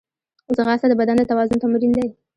ځغاسته د بدن د توازن تمرین دی